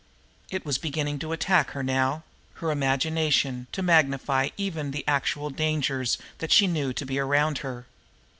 It was beginning to attack her now; her imagination to magnify even the actual dangers that she knew to be around her.